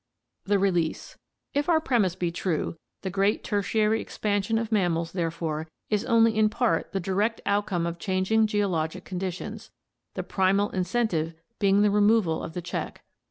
The Release. — If our premise be true, the great Tertiary expan sion of mammals therefore is only in part the direct outcome of 548 ORGANIC EVOLUTION changing geologic conditions, the primal incentive being the re moval of the check.